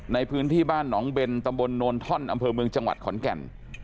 ในพื้นที่บ้านหนองเบนตำบลโนนท่อนอำเภอเมืองจังหวัดขอนแก่น